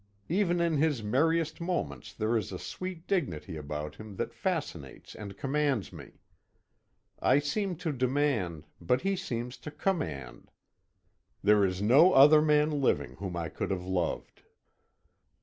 Even in his merriest moments there is a sweet dignity about him that fascinates and commands me. I seem to demand, but he seems to command. There is no other man living whom I could have loved.